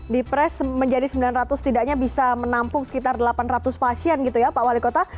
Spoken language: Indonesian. di pres menjadi sembilan ratus tidaknya bisa menampung sekitar delapan ratus pasien gitu ya pak wali kota